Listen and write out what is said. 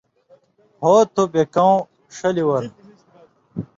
”ہو تُھو بے کؤں ݜلیۡ اور“